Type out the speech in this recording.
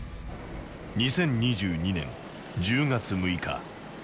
２０２２年１０月６日。